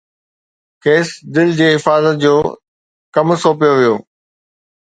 کيس دل جي حفاظت جو ڪم سونپيو ويو